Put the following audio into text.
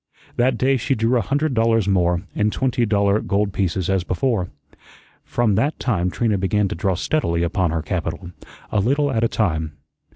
That day she drew a hundred dollars more, in twenty dollar gold pieces as before. From that time Trina began to draw steadily upon her capital, a little at a time.